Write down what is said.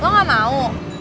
lo gak mau